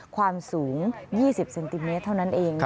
ความสูง๒๐เซนติเมตรเท่านั้นเอง